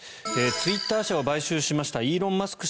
ツイッター社を買収しましたイーロン・マスク